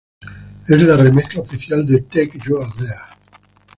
Es la remezcla oficial de "Take You There".